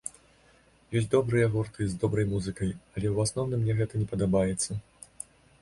Ёсць добрыя гурты з добрай музыкай, але ў асноўным мне гэта не падабаецца.